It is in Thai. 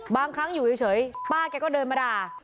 บางครั้งอยู่เฉยป้าแกก็เดินมาด่า